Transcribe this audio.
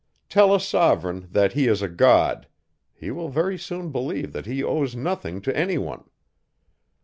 Tell a sovereign, that he is a god; he will very soon believe that he owes nothing to any one.